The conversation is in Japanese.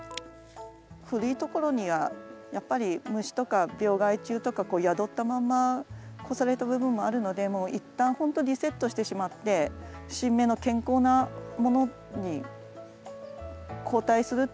古いところにはやっぱり虫とか病害虫とか宿ったまんま越された部分もあるのでもう一旦ほんとリセットしてしまって新芽の健康なものに交代するっていうのもあります。